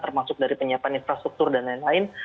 termasuk dari penyiapan infrastruktur dan lain lain